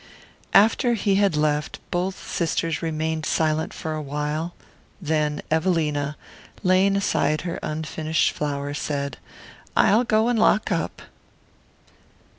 After he had left both sisters remained silent for a while; then Evelina, laying aside her unfinished flower, said: "I'll go and lock up."